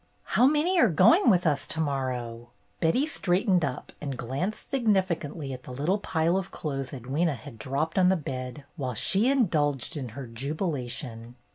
"How many are going with us to morrow ?" Betty straightened up and glanced signifi cantly at the little pile of clothes Edwyna had dropped on the bed while she indulged in her jubilation.